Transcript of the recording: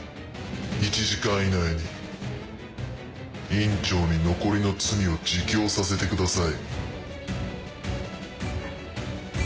１時間以内に院長に残りの罪を自供させてください。